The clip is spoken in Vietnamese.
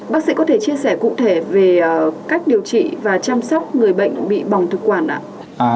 bác sĩ có thể chia sẻ cụ thể về cách điều trị và chăm sóc người bệnh bị bỏng thực quản ạ